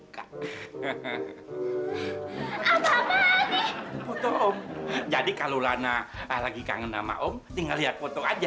foto om jadi kalau lana lagi kangen sama om tinggal lihat foto aja